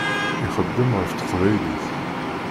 Ixeddem ɣef teqbaylit.